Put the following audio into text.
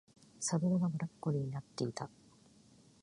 サドルがブロッコリーになってた